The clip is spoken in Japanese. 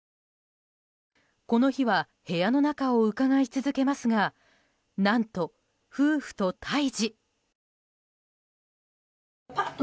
この日は、部屋の中をうかがい続けますが何と、夫婦と対峙。